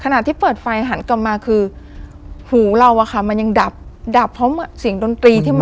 ขณะที่เปิดไฟหันกลับมาคือหูเราอะค่ะมันยังดับดับเพราะเสียงดนตรีที่มัน